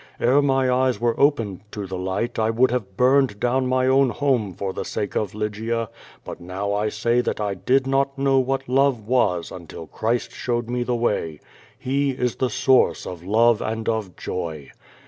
Ere my eyes were opened to the light I would have burned down my own home for sake of Lygia; but now I say that I did not know what love was until Christ showed me the way. He is the source of love and of joy.